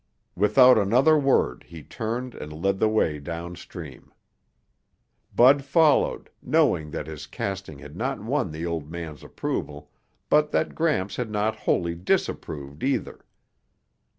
Without another word he turned and led the way downstream. Bud followed, knowing that his casting had not won the old man's approval but that Gramps had not wholly disapproved either.